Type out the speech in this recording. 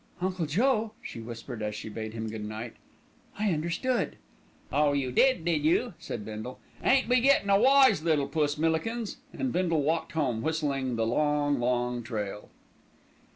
"Uncle Joe," she whispered, as she bade him good night, "I understood." "Oh, you did, did you?" said Bindle. "Ain't we getting a wise little puss, Millikins," and Bindle walked home whistling "The Long, Long Trail."